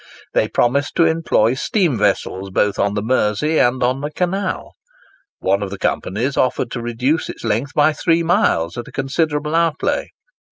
They promised to employ steam vessels both on the Mersey and on the Canal. One of the companies offered to reduce its length by three miles, at a considerable outlay.